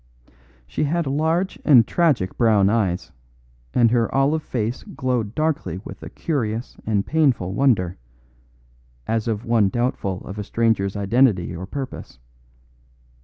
She had large and tragic brown eyes, and her olive face glowed darkly with a curious and painful wonder as of one doubtful of a stranger's identity or purpose.